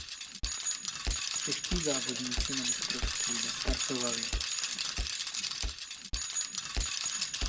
Čeští závodníci na mistrovství nestartovali.